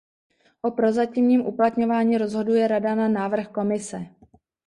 O prozatímním uplatňování rozhoduje Rada na návrh Komise.